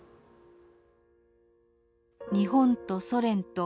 「日本とソレンと」